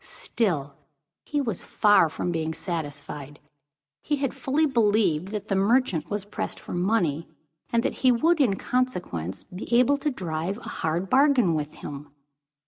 Still he was far from being satisfied. He had fully believed that the merchant was pressed for money, and that he would in consequence be able to drive a hard bargain with him.